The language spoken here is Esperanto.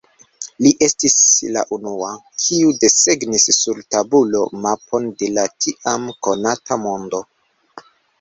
Li estis la unua, kiu desegnis sur tabulo mapon de la tiam konata mondo.